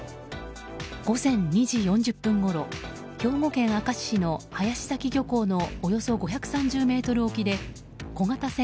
午前２時４０分ごろ兵庫県明石市の林崎漁港のおよそ５３０ｍ沖で小型船